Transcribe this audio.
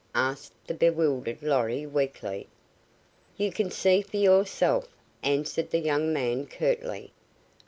asked the bewildered Lorry, weakly. "You can see for yourself," answered the young man, curtly.